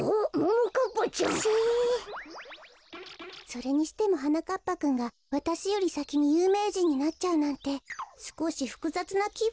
それにしてもはなかっぱくんがわたしよりさきにゆうめいじんになっちゃうなんてすこしふくざつなきぶんよ。